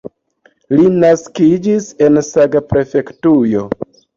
Li naskiĝis en Saga-prefektujo.